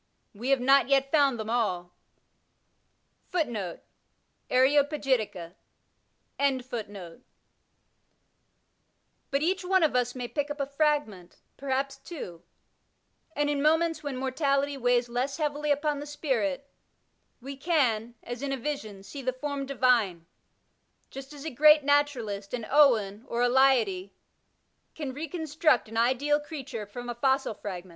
We have not yet iound them aU," ^ but each one of us may pick up a fragment, perhaps two, and in moments when mortality weighs less heavily upon the spirit, we can, as in a vision, see the form divine, just as a great Naturalist, an Owen or a Leidy, can reconstruct an ideal creature from a fossil fragment.